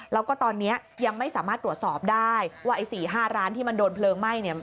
แล้วก็ตอนนี้ยังไม่สามารถตรวจสอบได้ว่าไอ้๔๕ร้านที่มันโดนเพลิงไหม้เนี่ย